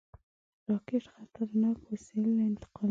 راکټ خطرناک وسایل انتقالوي